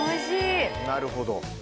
なるほど。